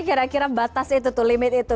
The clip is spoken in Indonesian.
kira kira batas itu tuh limit itu